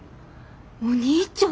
お兄ちゃん？